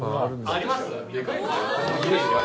あります？